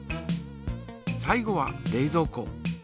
最後は冷ぞう庫。